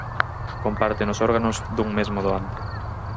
Comparten os órganos dun mesmo doante.